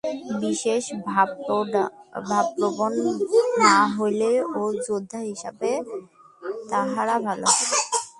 বিশেষ ভাবপ্রবণ না হইলেও যোদ্ধা হিসাবে তাহারা ভাল।